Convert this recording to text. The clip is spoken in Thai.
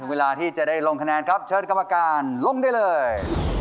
เวลาที่จะได้ลงคะแนนครับเชิญกรรมการลงได้เลย